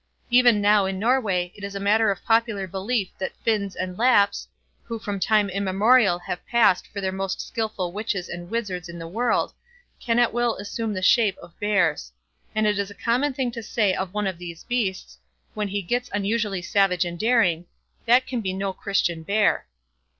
Even now in Norway, it is matter of popular belief that Finns and Lapps, who from time immemorial have passed for the most skilful witches and wizards in the world, can at will assume the shape of bears; and it is a common thing to say of one of those beasts, when he gets unusually savage and daring, "that can be no Christian bear".